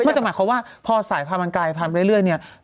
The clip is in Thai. ไม่ใช่หมายความว่าพอสายพันธุ์มันกายพันธุ์ไปเรื่อย